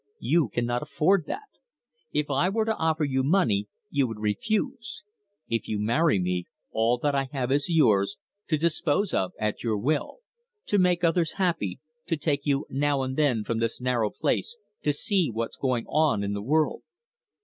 You cannot afford that. If I were to offer you money, you would refuse. If you marry me, all that I have is yours to dispose of at your will: to make others happy, to take you now and then from this narrow place, to see what's going on in the world."